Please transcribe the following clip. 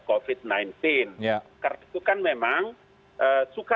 covid sembilan belas karena itu kan memang suka